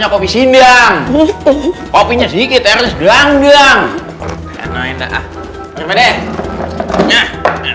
terus bilang bilang enak enak ini itu salah itu yang terinjak terinjak terinjak